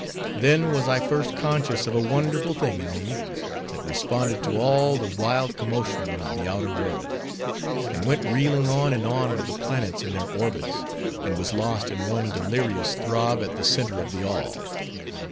Then was I first conscious of a wonderful thing in me, that responded to all the wild commotion of the outer world; and went reeling on and on with the planets in their orbits, and was lost in one delirious throb at the center of the All.